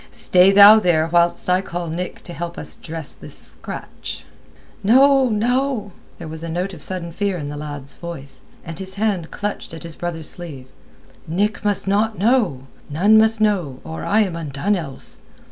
"Stay thou there whilst I call Nick to help us dress this scratch." "No, no!" There was note of sudden fear in the lad's voice, and his hand clutched at his brother's sleeve. "Nick must not know. None must know, or I am undone else."